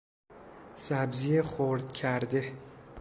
سبزی خرد کرده